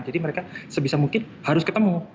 jadi mereka sebisa mungkin harus ketemu